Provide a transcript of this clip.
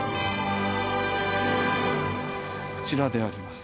こちらであります。